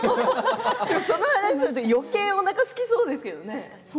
その話をすると、よけいおなかがすきそうですけどね。